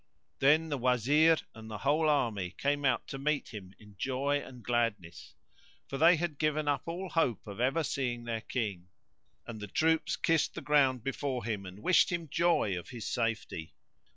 Then the Wazir and the whole army came out to meet him in joy and gladness, for they had given up all hope of ever seeing their King; and the troops kissed the ground before him and wished him joy of his safety.